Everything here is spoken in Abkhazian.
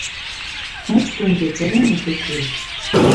Аҷкәынгьы аҵарамҩа дықәлеит.